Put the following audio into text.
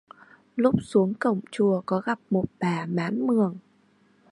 lúc xuống cổng chùa có gặp một bà mán mường